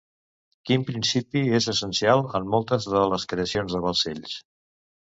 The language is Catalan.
Quin principi és essencial en moltes de les creacions de Balcells?